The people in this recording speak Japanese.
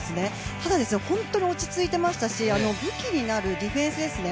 ただ本当に落ち着いていましたし、武器になるディフェンスですね。